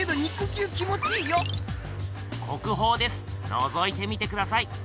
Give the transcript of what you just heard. のぞいてみてください。